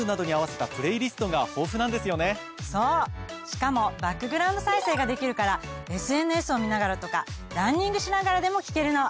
しかもバックグラウンド再生ができるからＳＮＳを見ながらとかランニングしながらでも聞けるの。